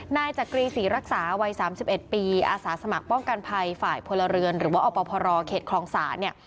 นายจักรีศรีรักษาวัย๓๑ปีอาสาสมัครป้องกันภัยฝ่ายพลเรือนหรือว่าอพรเขตคลองศาลเนี่ย